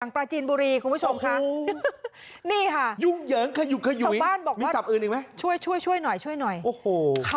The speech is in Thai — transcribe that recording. หลังปราจรีนบุรีคุณผู้ชมคะ